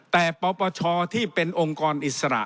แต่ปปชที่เป็นองค์กรอิสระ